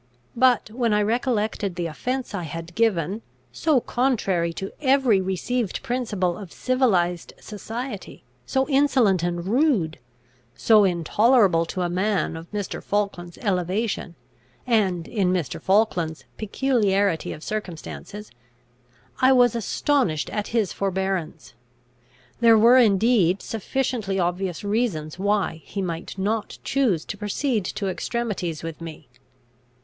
But, when I recollected the offence I had given, so contrary to every received principle of civilised society, so insolent and rude, so intolerable to a man of Mr. Falkland's elevation, and in Mr. Falkland's peculiarity of circumstances, I was astonished at his forbearance. There were indeed sufficiently obvious reasons why he might not choose to proceed to extremities with me.